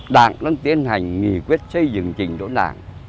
đảng đang tiến hành nghỉ quyết xây dựng trình độ đảng